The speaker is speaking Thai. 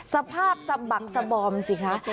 สภาพสะบักสบอมสิคะ